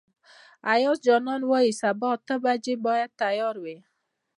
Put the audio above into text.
ایاز جان وايي سبا اته بجې باید تیار وئ.